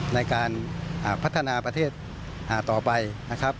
ในการพัฒนาประเทศต่อไปนะครับ